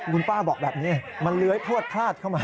คุณป้าบอกแบบนี้มันเลื้อยพลวดพลาดเข้ามา